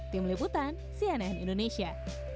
tim liputan cnn indonesia